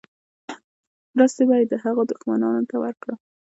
مرستې به یې د هغه دښمنانو ته ورکړو.